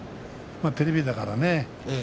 テレビだからね